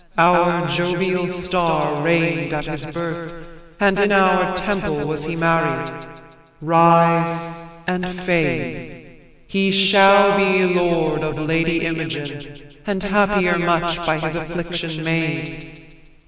Our Jovial star reign'd at his birth, and in Our temple was he married. Rise and fade! He shall be lord of Lady Imogen, And happier much by his affliction made.